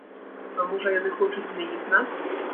А можа, яны хочуць змяніць нас?